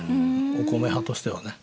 お米派としてはね。